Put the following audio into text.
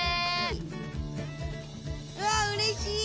うわっうれしい！